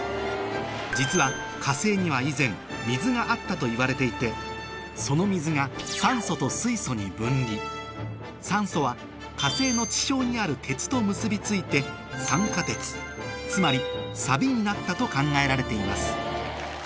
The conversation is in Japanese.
実は火星には以前水があったといわれていてその水がに分離酸素は火星の地表にある鉄と結び付いてつまりさびになったと考えられています